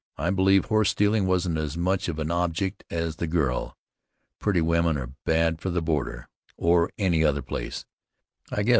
I believe horse stealing wasn't as much of an object as the girl. Pretty women are bad for the border, or any other place, I guess.